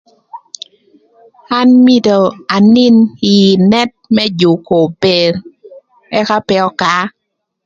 An mïtö anïn ï nët më jükö ober ëka pe öka